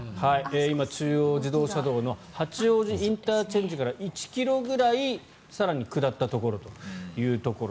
今、中央自動車道の八王子ＩＣから１ｋｍぐらい更に下ったところというところ。